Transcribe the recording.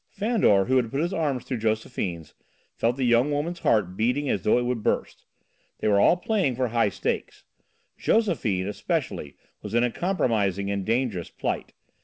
Fandor, who had put his arm through Josephine's, felt the young woman's heart beating as though it would burst. They were all playing for high stakes. Josephine, especially, was in a compromising and dangerous plight.